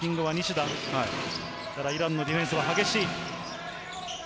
イランのディフェンスも激しい。